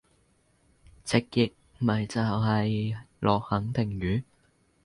直譯咪就係落肯定雨？